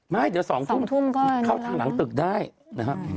ไม่เดี๋ยวสองทุ่มสองทุ่มก็ครับเข้าทางหลังตึกได้นะฮะ